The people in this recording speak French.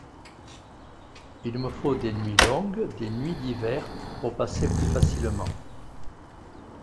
Il me faut des nuits longues, des nuits d’hiver, pour passer plus facilement.